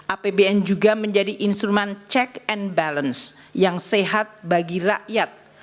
apbn juga menjadi instrumen check and balance yang sehat bagi rakyat